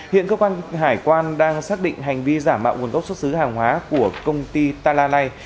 hiện cơ quan hải quan đang xác định hành vi giả mạo nguồn gốc xuất xứ hàng hóa của công ty talane